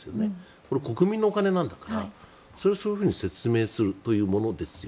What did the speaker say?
これは国民のお金なんだからそれはそういうふうに説明するというものですよ。